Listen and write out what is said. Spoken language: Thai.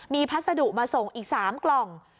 มีพัสดุมาส่งอีก๓กล่อง